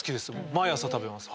毎朝食べます。